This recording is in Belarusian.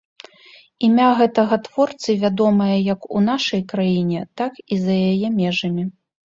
Імя гэтага творцы вядомае як у нашай краіне, так і за яе межамі.